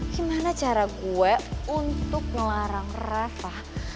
gimana cara gue untuk ngelarang reva